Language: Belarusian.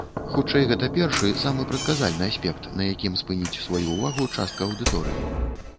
Хутчэй гэта першы, самы прадказальны аспект, на якім спыніць сваю ўвагу частка аўдыторыі.